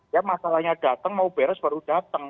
ya masalahnya datang mau beres baru datang